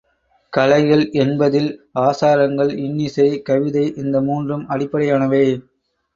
கலைகள் என்பதில் ஆசாரங்கள் இன்னிசை, கவிதை இந்த மூன்றும் அடிப்படையானவை.